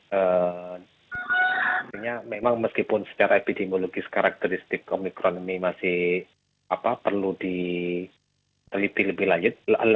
sebenarnya memang meskipun secara epidemiologis karakteristik omikron ini masih perlu diteliti lebih lanjut